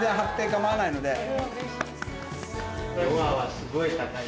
すごい高い？